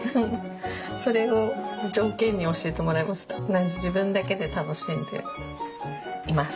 なので自分だけで楽しんでいます。